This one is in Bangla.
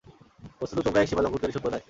বস্তুত তোমরা এক সীমালংঘনকারী সম্প্রদায়।